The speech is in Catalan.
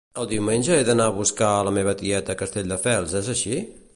El diumenge he d'anar a buscar a la meva tieta a Castelldefels; és així?